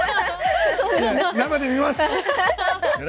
生で見ます！